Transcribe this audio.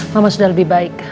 mama sudah lebih baik